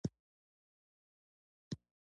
کروندګر باید د باران اوبه د اوبو لګولو لپاره وسنجوي.